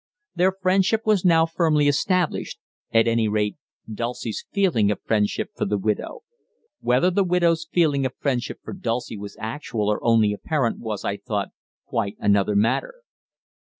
Their friendship was now firmly established at any rate, Dulcie's feeling of friendship for the widow. Whether the widow's feeling of friendship for Dulcie was actual or only apparent was, I thought, quite another matter.